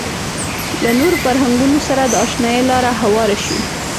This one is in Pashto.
له نورو فرهنګونو سره د اشنايي لاره هواره شي.